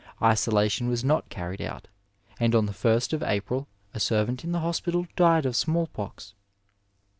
Isolation was not carried out, and on the 1st of April a servant in the hospital died of small pox.